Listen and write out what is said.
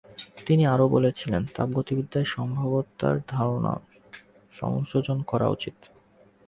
তিনি আরও বলেছিলেন, তাপগতিবিদ্যায় সম্ভাব্যতার ধারণা সংযোজন করা উচিত।